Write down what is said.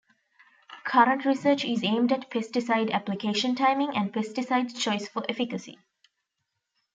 Current research is aimed at pesticide application timing, and pesticide choice for efficacy.